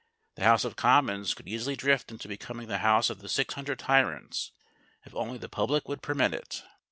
The House of Commons could easily drift into becoming the house of the six hundred tyrants, if only the public would permit it.